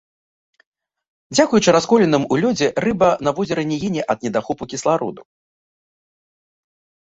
Дзякуючы расколінам у лёдзе рыба на возеры не гіне ад недахопу кіслароду.